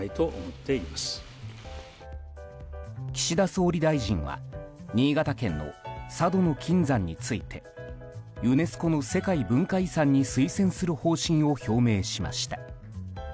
岸田総理大臣は新潟県の佐渡の金山についてユネスコの世界文化遺産に推薦する方針を表明しました。